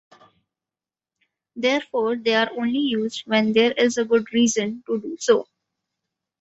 Therefore they are only used when there is a good reason to do so.